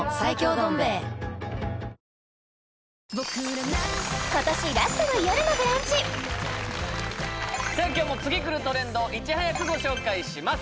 どん兵衛今年ラストの「よるのブランチ」さあ今日も次くるトレンドをいち早くご紹介します